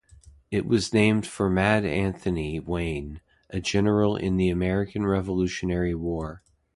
It was named for "Mad Anthony" Wayne, a general in the American Revolutionary War.